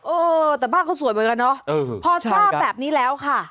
เออแต่บ้านเขาสวยเหมือนกันเนอะพอทราบแบบนี้แล้วค่ะ